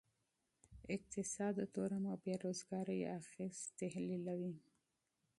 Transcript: اقتصاد د تورم او بیروزګارۍ اغیز تحلیلوي.